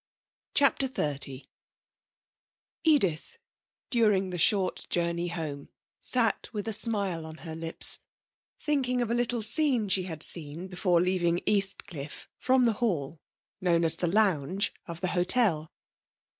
CHAPTER XXX Edith, during the short journey home, sat with a smile on her lips, thinking of a little scene she had seen before leaving Eastcliff from the hall, known as the lounge, of the hotel.